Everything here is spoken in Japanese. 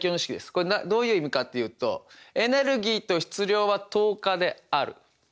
これどういう意味かっていうとエネルギーと質量は等価である。